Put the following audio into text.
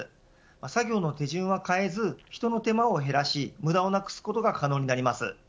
作業の手順は変えず人の手間を減らし無駄をなくすことが可能になります。